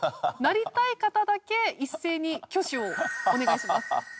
なりたい方だけ一斉に挙手をお願いします。